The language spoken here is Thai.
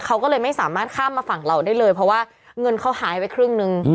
เขาก็เลยไม่สามารถข้ามมาฝั่งเราได้เลยเพราะว่าเงินเขาหายไปครึ่งนึง